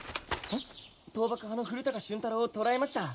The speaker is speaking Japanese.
倒幕派の古高俊太郎を捕らえました。